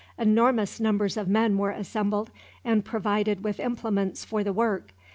Enormous numbers of men were assembled, and provided with implements for the work.